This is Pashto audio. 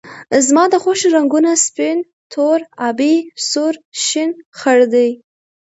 زما د خوښې رنګونه سپین، تور، آبي ، سور، شین ، خړ دي